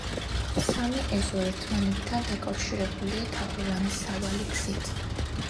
სამი ეზო ერთმანეთან დაკავშირებულია თაღოვანი სავალი გზით.